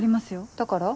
だから？